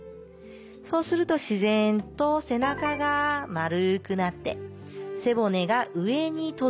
そうすると自然と背中が丸くなって背骨が上に凸。